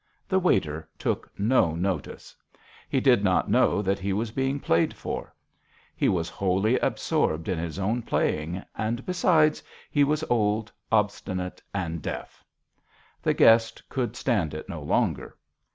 The waiter took no notice. He did not know that he was being played for. He was wholly ab sorbed in his own playing, and besides he was old, obstinate, and deaf. The guest could stand it no longer.